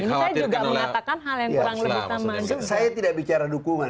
saya juga menyatakan hal yang kurang lebih sama saya tidak bicara dukungan saya bicara dukungan